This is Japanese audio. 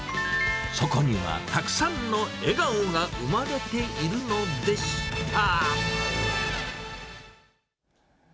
そこにはたくさんの笑顔が生まれているのでした。